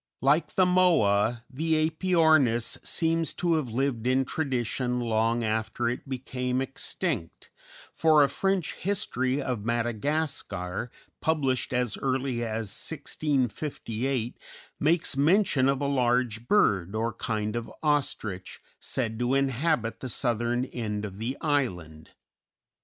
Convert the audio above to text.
Like the Moa the Æpyornis seems to have lived in tradition long after it became extinct, for a French history of Madagascar, published as early as 1658 makes mention of a large bird, or kind of ostrich, said to inhabit the southern end of the island.